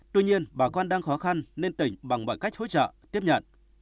tuy nhiên bà con đang khó khăn nên tỉnh bằng cách hỗ trợ tiếp nhận